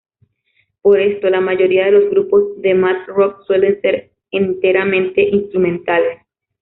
Por esto, la mayoría de los grupos de math rock suelen ser enteramente instrumentales.